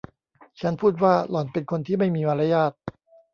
ฉันพูดว่า”หล่อนเป็นคนที่ไม่มีมารยาท”